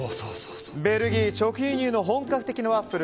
ベルギー直輸入の本格的なワッフル。